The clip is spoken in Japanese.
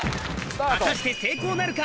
果たして成功なるか？